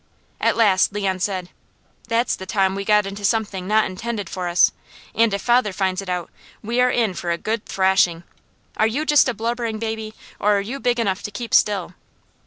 At last Leon said: "That's the time we got into something not intended for us, and if father finds it out, we are in for a good thrashing. Are you just a blubbering baby, or are you big enough to keep still?"